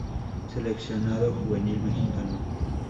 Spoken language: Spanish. Seleccionado juvenil mexicano.